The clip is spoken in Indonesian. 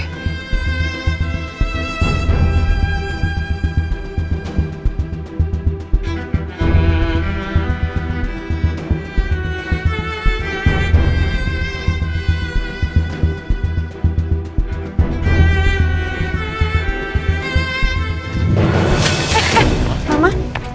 eh eh mama